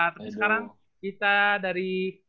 terus sekarang kita dari